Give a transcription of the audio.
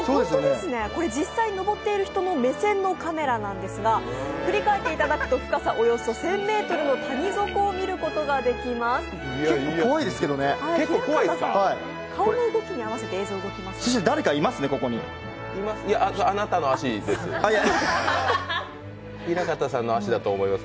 これ実際に登っている人の目線のカメラなんですが、振り返っていただくと深さおよそ１０００ｍの谷底を御覧いただけます。